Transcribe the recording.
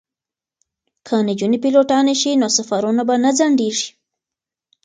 که نجونې پیلوټانې شي نو سفرونه به نه ځنډیږي.